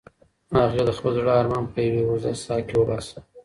هغې د خپل زړه ارمان په یوې اوږدې ساه کې وباسه.